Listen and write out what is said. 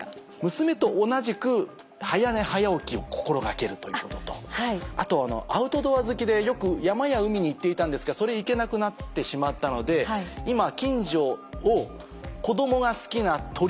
娘と同じく早寝早起きを心掛けるということとあとアウトドア好きでよく山や海に行っていたんですが行けなくなってしまったので今近所を子どもが好きな鳥